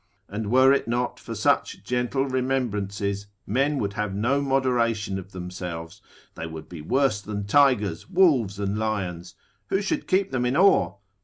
And were it not for such gentle remembrances, men would have no moderation of themselves, they would be worse than tigers, wolves, and lions: who should keep them in awe?